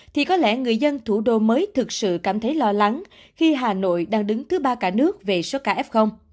thì có lẽ người dân thủ đô mới thực sự cảm thấy lo lắng khi hà nội đang đứng thứ ba cả nước về số ca f